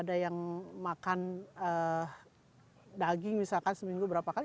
ada yang makan daging misalkan seminggu berapa kali